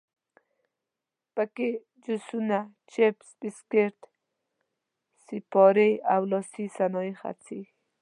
په کې جوسونه، چپس، بسکیټ، سیپارې او لاسي صنایع خرڅېږي.